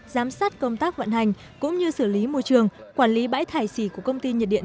giám sát công tác vận hành cũng như xử lý môi trường quản lý bãi thải xì của công ty nhiệt điện